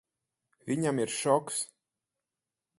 Viņam ir šoks.